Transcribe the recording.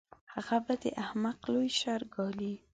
هغه به د احمق لوی شر ګالي.